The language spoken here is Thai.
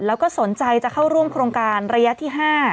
แล้วก็สนใจจะเข้าร่วมโครงการระยะที่๕